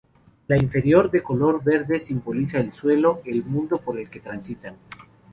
La inferior, de color verde, simboliza el suelo, el mundo por el que transitan.